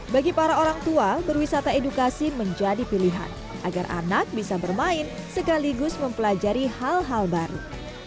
bagi para orang tua berwisata edukasi menjadi pilihan agar anak bisa bermain sekaligus mempelajari hal hal baru